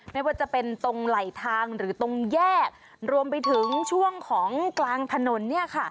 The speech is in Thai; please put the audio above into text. ไม่ว่าจะเป็นตรงไหลทางหรือตรงแยกรวมไปถึงช่วงของกลางถนน